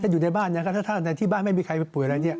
อยู่ในบ้านถ้าที่บ้านไม่มีใครป่วยอะไร